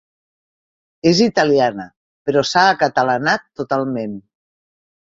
És italiana, però s'ha acatalanat totalment.